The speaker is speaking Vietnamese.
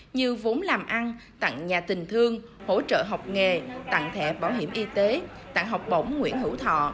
như vốn làm ăn tặng nhà tình thương hỗ trợ học nghề tặng thẻ bảo hiểm y tế tặng học bổng nguyễn hữu thọ